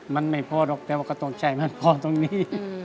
มันไม่พอหรอกแต่ว่าก็ตกใจมันพอตรงนี้